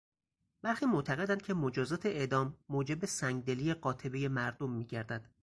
برخی معتقدند که مجازات اعدام موجب سنگدلی قاطبهی مردم میگردد.